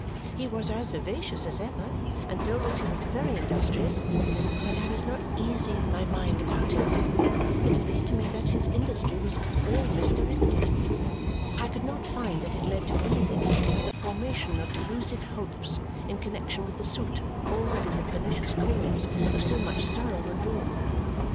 He was as vivacious as ever and told us he was very industrious, but I was not easy in my mind about him. It appeared to me that his industry was all misdirected. I could not find that it led to anything but the formation of delusive hopes in connexion with the suit already the pernicious cause of so much sorrow and ruin.